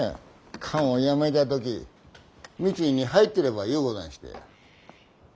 官を辞めた時三井に入ってればようござんしたよ。